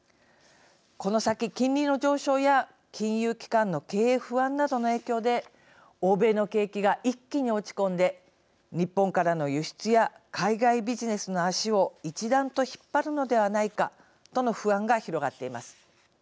この先、金利の上昇や金融機関の経営不安などの影響で欧米の景気が一気に落ち込んで日本からの輸出や海外ビジネスの足を一段と引っ張るのではないかとの不安が広がっています。